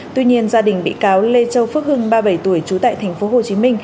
tuy nhiên gia đình bị cáo lê châu phước hưng ba mươi bảy tuổi trú tại tp hcm